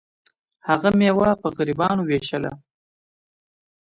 هغه میوه په غریبانو ویشله.